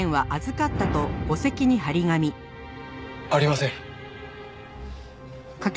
ありません。